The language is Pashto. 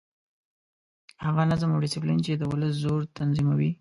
هغه نظم او ډسپلین چې د ولس زور تنظیموي.